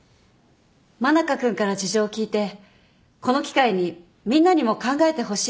真中君から事情を聴いてこの機会にみんなにも考えてほしいと思ったんです。